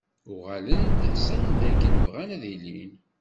Uɣalen-d s anda akken bɣan ad ilin.